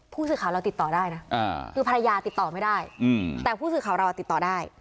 ผู้สื่อข่าวเราติดต่อได้นะคือภรรยาติดต่อไม่ได้แต่ผู้สื่อข่าวเราติดต่อได้